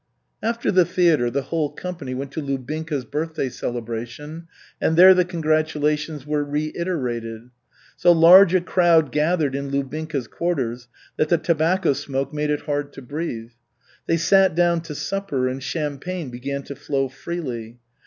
After the theatre the whole company went to Lubinka's birthday celebration, and there the congratulations were reiterated. So large a crowd gathered in Lubinka's quarters that the tobacco smoke made it hard to breathe. They sat down to supper, and champagne began to flow freely.